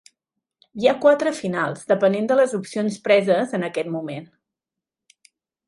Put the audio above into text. Hi ha quatre finals depenent de les opcions preses en aquest moment.